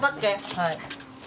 はい。